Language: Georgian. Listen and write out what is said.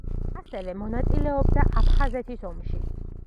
ასევე მონაწილეობდა აფხაზეთის ომში.